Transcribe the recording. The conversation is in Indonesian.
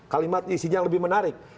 kalimat isinya lebih menarik